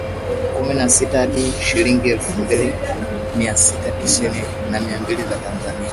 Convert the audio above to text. Kumi na sita hadi shilingi elfu mbili Mia sita tisini na mbili za Tanzania